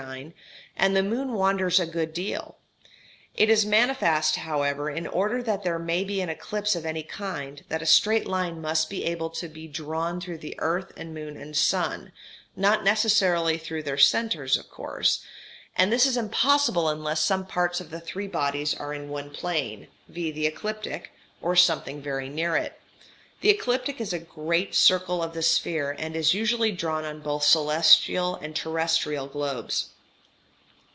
9), and the moon wanders a good deal. It is manifest, however, in order that there may be an eclipse of any kind, that a straight line must be able to be drawn through earth and moon and sun (not necessarily through their centres of course), and this is impossible unless some parts of the three bodies are in one plane, viz. the ecliptic, or something very near it. The ecliptic is a great circle of the sphere, and is usually drawn on both celestial and terrestrial globes.